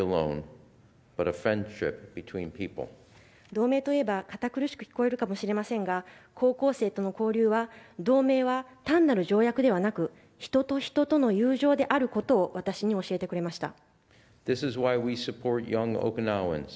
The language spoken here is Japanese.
同盟といえば、堅苦しく聞こえるかもしれませんが高校生との交流は同盟は単なる条約ではなく人と人との友情であることを私に教えてくれました。